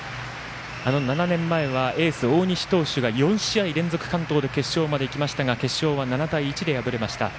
７年前はエースの大西投手が４試合連続完投で決勝までいきましたが決勝は７対１で敗れました。